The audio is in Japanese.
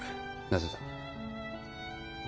なぜだ？